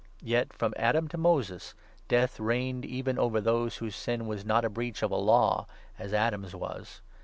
Yet, from Adam to 14 Moses, Death reigned even over those whose sin was not a breach of a law, as Adam's was.